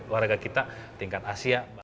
warga kita tingkat asia